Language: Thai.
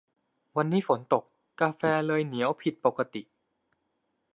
วันนี้ฝนตก กาแฟเลยเหนียวผิดปกติ